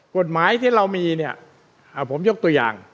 กฎหมายที่เรามีเนี่ยผมยกตัวอย่าง